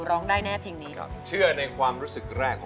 อยากได้อะไรครับ